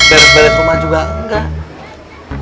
beres beres rumah juga enggak